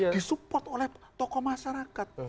disupport oleh tokoh masyarakat